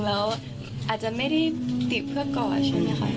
แล้วอาจจะไม่ได้ติดเพื่อกอดใช่ไหมคะ